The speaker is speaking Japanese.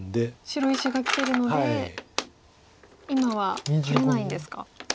白石がきてるので今は取れないんですか。